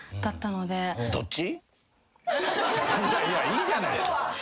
いいじゃないっすか。